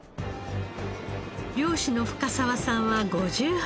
漁師の深澤さんは５８歳。